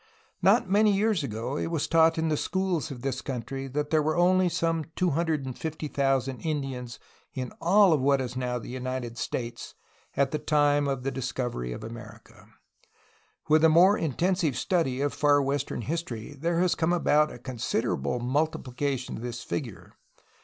Not many years ago it was taught in the schools of this country that there were only some 250,000 Indians in all of what is now the United States at the time of the discovery of America. With the more intensive study of far western history there has come about a considerable multipHcation of this figure.